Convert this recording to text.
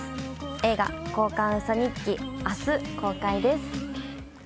映画「交換ウソ日記」明日公開です。